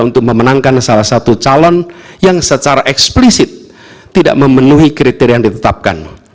untuk memenangkan salah satu calon yang secara eksplisit tidak memenuhi kriteria yang ditetapkan